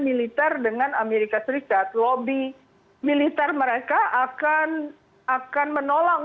militer dengan amerika serikat lobby militer mereka akan akan menolong